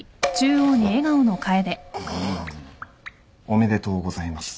おめでとうございます。